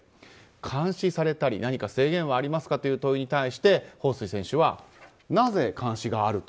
監視されたり何か制限はありますかという問いに対してホウ・スイ選手はなぜ監視があると？